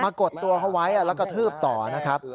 กดตัวเขาไว้แล้วก็ทืบต่อนะครับ